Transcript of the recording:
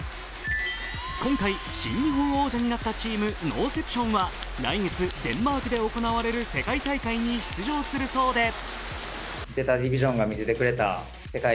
今回、新日本王者になったチームノンセプションは来月、デンマークで行われる世界大会に出場するそうです。